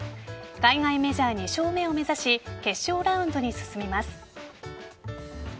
海外メジャー２勝目を目指し決勝ラウンドに進みます。